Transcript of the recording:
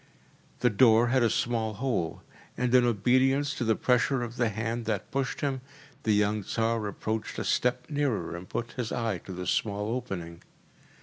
The door had a small hole, and in obedience to the pressure of the hand that pushed him, the young Tsar approached a step nearer and put his eye to the small opening.